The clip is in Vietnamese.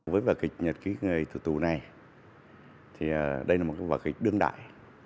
với vợ kịch nhật ký người tù tù này thì đây là một vợ kịch đương đại